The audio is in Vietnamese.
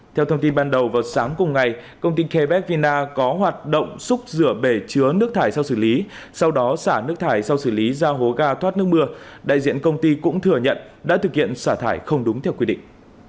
theo thông tin ban đầu vào sáng cùng ngày công ty kebec vina có hoạt động xúc rửa bể chứa nước thải sau xử lý sau đó xả nước thải sau xử lý ra hố ga thoát nước mưa đại diện công ty cũng thừa nhận đã thực hiện xả thải không đúng theo quy định